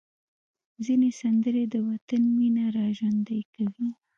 ځینې سندرې د وطن مینه راژوندۍ کوي.